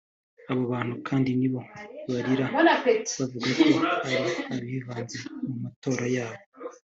[…] abo bantu kandi nibo barira bavuga ko hari abivanze mu matora yabo